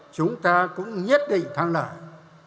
chúng ta cũng nhất định thắng lợi